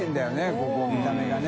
ここ見た目がね。